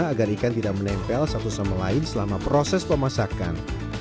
agar ikan tidak menempel satu sama lain selama proses pemasakan